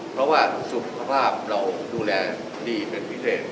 เพราะว่าสุขภาพเราดูแลดีเป็นพิเศษ